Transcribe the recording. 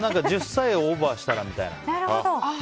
１０歳をオーバーしたらみたいな。